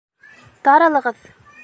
Таралығыҙ!